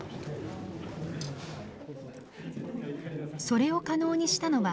それを可能にしたのは